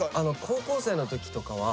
高校生のときとかは。